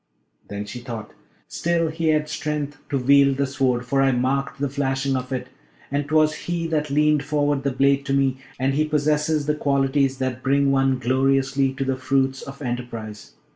Then she thought, 'Still he had strength to wield the Sword, for I marked the flashing of it, and 'twas he that leaned forward the blade to me; and he possesses the qualities that bring one gloriously to the fruits of enterprise!'